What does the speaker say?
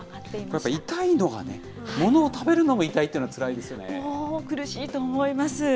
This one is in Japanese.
やっぱり痛いのがね、ものを食べるのも痛いというのがつらいもう苦しいと思います。